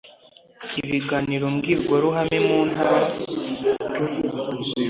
ibiganiro mbwirwaruhame mu ntara